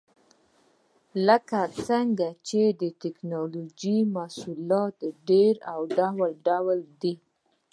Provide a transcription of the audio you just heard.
لکه څنګه چې د ټېکنالوجۍ محصولات ډېر او ډول ډول دي.